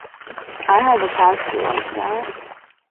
I have a pastor like that.